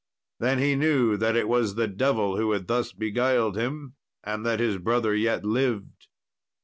Then he knew that it was the devil who had thus beguiled him, and that his brother yet lived.